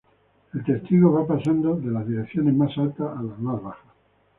El testigo va pasando de las direcciones más altas a las más bajas.